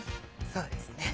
そうですね。